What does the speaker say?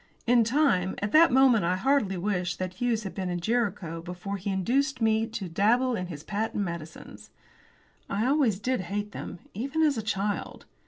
In time! At that moment I heartily wished that Hughes had been at Jericho before he induced me to dabble in his patent medicines. I always did hate them, even as a child.